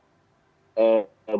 dikatakan oleh gus imin bahwa